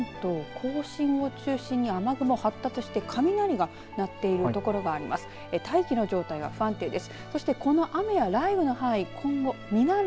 甲信を中心に雨雲発達して雷が鳴っている所もあります。